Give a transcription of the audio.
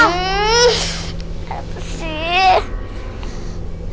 hmm apa sih